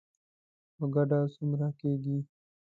په ګډه څومره کیږي؟